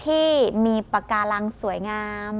ที่มีปากการังสวยงาม